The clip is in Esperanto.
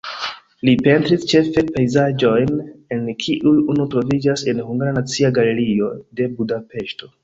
Li pentris ĉefe pejzaĝojn, el kiuj unu troviĝas en Hungara Nacia Galerio de Budapeŝto.